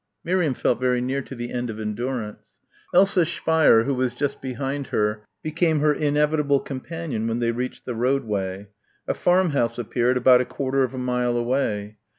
Miriam felt very near the end of endurance. Elsa Speier who was just behind her, became her inevitable companion when they reached the roadway. A farmhouse appeared about a quarter of a mile away.